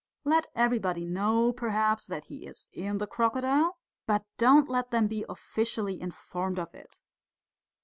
Let everybody know, perhaps, that he is in the crocodile, but don't let them be officially informed of it.